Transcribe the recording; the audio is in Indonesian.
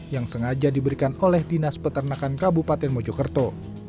yang sengaja diberikan oleh dinas peternakan kabupaten mojokerto